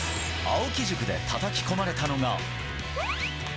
青木塾でたたき込まれたのが。